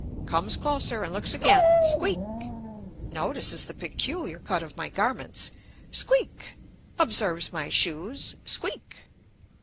comes closer, and looks again squeak! notices the peculiar cut of my garments squeak! observes my shoes squeak!